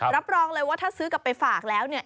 รับรองเลยว่าถ้าซื้อกลับไปฝากแล้วเนี่ย